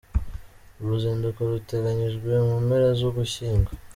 Uru ruzinduko ruteganyijwe mu mpera z’Ugushyingo.